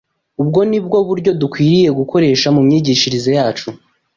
Ubwo ni bwo buryo dukwiriye gukoresha mu myigishirize yacu.